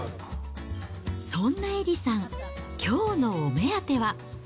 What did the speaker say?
そんなエリさん、きょうのお目当ては。